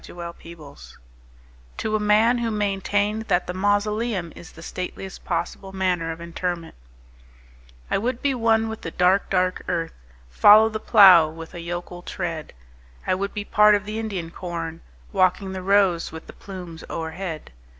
The Traveller heart (To a Man who maintained that the Mausoleum is the Stateliest Possible Manner of Interment) I would be one with the dark, dark earth:— Follow the plough with a yokel tread. I would be part of the Indian corn, Walking the rows with the plumes o'erhead.